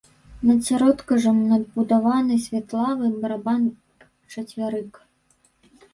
Над сяродкрыжжам надбудаваны светлавы барабан-чацвярык.